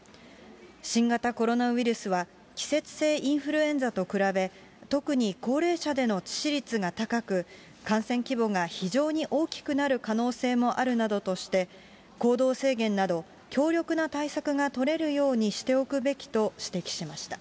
新型コロナウイルスは、季節性インフルエンザと比べ、特に高齢者での致死率が高く、感染規模が非常に大きくなる可能性もあるなどとして、行動制限など強力な対策が取れるようにしておくべきと指摘しました。